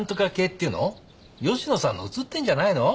吉野さんのうつってんじゃないの？